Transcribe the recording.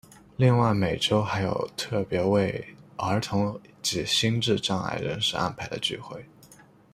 另外每周还有特别为儿童及心智障碍人士安排的聚会。